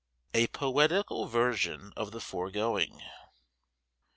_A Poetical Version of the foregoing.